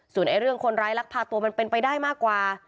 ส่วนเรื่องคนร้ายลักพาตัวมันเป็นไปได้มากกว่า